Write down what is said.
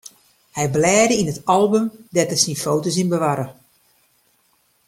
Hy blêde yn it album dêr't er syn foto's yn bewarre.